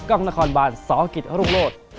กล้องนครบานสกิจรุ่งโลศ